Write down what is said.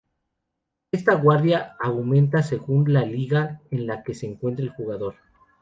Esta guardia aumenta según la liga en la que se encuentre el jugador.